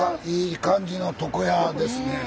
いい感じの床屋ですね。